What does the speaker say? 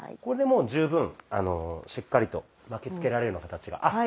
これでもう十分しっかりと巻きつけられるような形が。